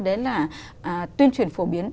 đó là tuyên truyền phổ biến